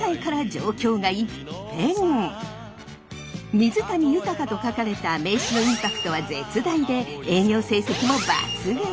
水谷豊と書かれた名刺のインパクトは絶大で営業成績も抜群！